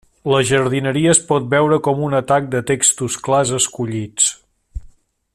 La jardineria es pot veure com un atac de textos clars escollits.